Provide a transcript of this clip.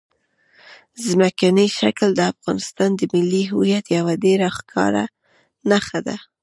ځمکنی شکل د افغانستان د ملي هویت یوه ډېره ښکاره نښه ده.